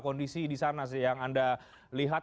kondisi di sana sih yang anda lihat